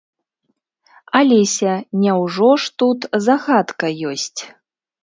Алеся, няўжо ж тут загадка ёсць?